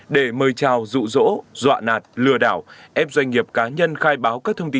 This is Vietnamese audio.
để mời chào rụ rỗ dọa nạt lừa đảo ép doanh nghiệp cá nhân khai báo các thông tin